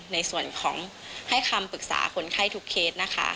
ในส่วนของให้คำปรึกษาคนไข้ทุกเคสนะคะ